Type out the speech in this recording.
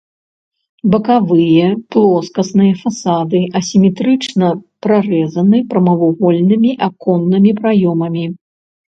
Бакавыя плоскасныя фасады асіметрычна прарэзаны прамавугольнымі аконнымі праёмамі.